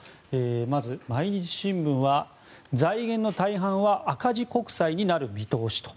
まず毎日新聞は、財源の大半は赤字国債になる見通しと。